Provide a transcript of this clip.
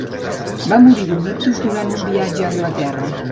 Va morir d’un ictus durant un viatge a Anglaterra.